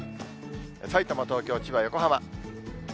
さいたま、東京、千葉、横浜。